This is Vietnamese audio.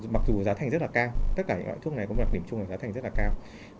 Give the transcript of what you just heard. mặc dù giá thành rất là cao tất cả những loại thuốc này cũng là điểm chung là giá thành rất là cao